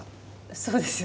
そうですよね。